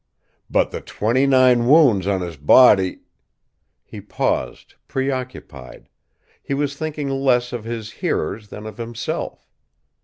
But the twenty nine wounds on his body " He paused, preoccupied; he was thinking less of his hearers than of himself.